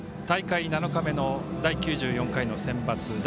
大会７日目の第９４回のセンバツ。